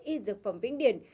y dược phẩm vĩnh điển